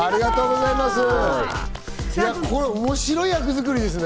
面白い役作りですね。